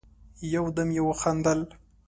يودم يې وخندل: